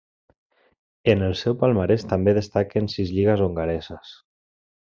En el seu palmarès també destaquen sis lligues hongareses.